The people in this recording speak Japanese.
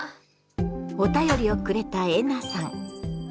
お便りをくれたえなさん。